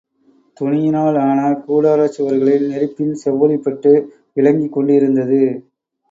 துணியினால் ஆன கூடாரச் சுவர்களில் நெருப்பின் செவ்வொளிப்பட்டு விளங்கிக்கொண்டிருந்தது.